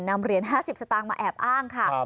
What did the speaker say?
นำเหรียญ๕๐สตางค์มาแอบอ้างค่ะ